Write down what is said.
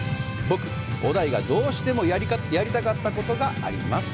僕、小田井が、どうしてもやりたかったことがあります。